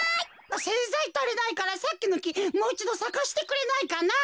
せんざいたりないからさっきのきもういちどさかせてくれないかな。